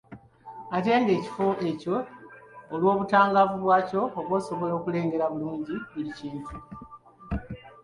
Ate ng’ekifo ekyo olw’obutangaavu bwakyo oba osobola okulengera bulungi buli kintu.